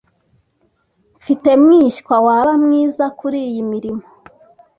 Mfite mwishywa waba mwiza kuriyi mirimo.